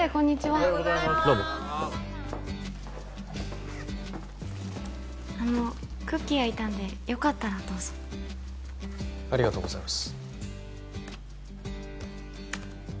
おはようございますどうもあのクッキー焼いたんでよかったらどうぞありがとうございます